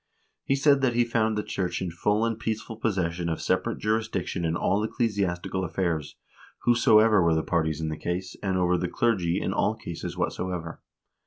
He said that he found the church in full and peaceful possession of separate jurisdiction in all ecclesiastical affairs, whosoever were the parties in the case, and over the clergy in all cases whatsoever.